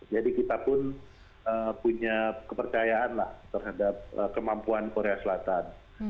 jadi kita pun punya kepercayaan lah terhadap kemampuan korea selatan